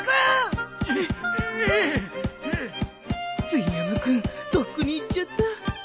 杉山君とっくに行っちゃった